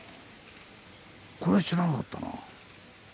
これ知らなかったな。